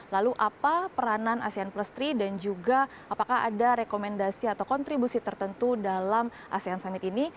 lalu apa peranan asean plus tiga dan juga apakah ada rekomendasi atau kontribusi tertentu dalam asean summit ini